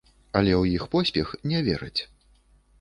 Але ў іх поспех не вераць.